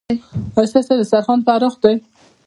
ایا ستاسو دسترخوان پراخ دی؟